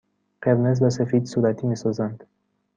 قرمز و سفید صورتی می سازند.